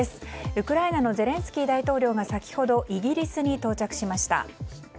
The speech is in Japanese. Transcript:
ウクライナのゼレンスキー大統領が先ほどイギリスに到着しました。